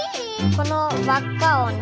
この輪っかをね